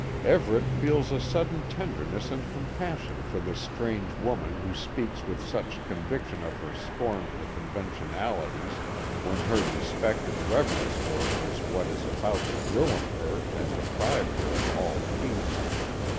Everet feels a sudden tenderness and compassion for this strange woman who speaks with such conviction of her scorn for conventionalities when her respect and reverence for them is what is about to ruin her and deprive her of all peace.